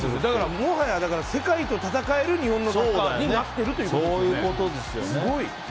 もはや、世界と戦える日本のサッカーになってるということですよね。